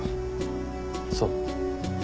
そう。